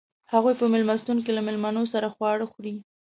هغوئ په میلمستون کې له میلمنو سره خواړه خوري.